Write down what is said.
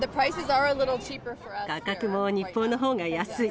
価格も日本のほうが安い。